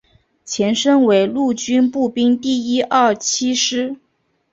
前身为陆军步兵第一二七师